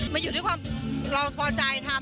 มันอยู่ด้วยความเราพอใจทำ